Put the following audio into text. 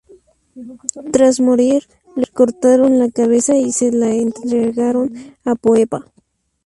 Tras morir, le cortaron la cabeza y se la entregaron a Popea.